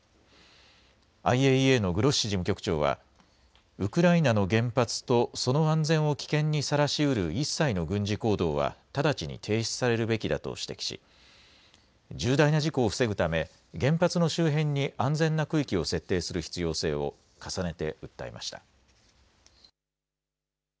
ＩＡＥＡのグロッシ事務局長は、ウクライナの原発とその安全を危険にさらしうる一切の軍事行動は直ちに停止されるべきだと指摘し、重大な事故を防ぐため、原発の周辺に安全な区域を設定する必要性を重ねて訴えました。